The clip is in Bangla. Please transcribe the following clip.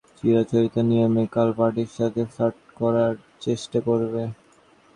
চিরাচরিত নিয়মে, কার্ল প্যাটির সাথে ফ্লার্ট করার চেষ্টা করবে।